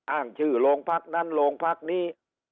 อ้างชื่อโรงพักนั้นโรงพักนี้